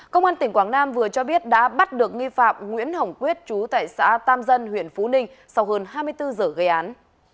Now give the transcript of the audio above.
công an tỉnh quảng nam vừa cho biết đã bắt được nghi phạm nguyễn hồng quyết chú tại xã tam dân huyện phú ninh sau hơn hai mươi bốn giờ gây án